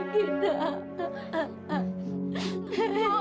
selalu pergi nak